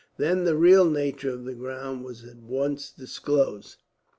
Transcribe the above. Then the real nature of the ground was at once disclosed.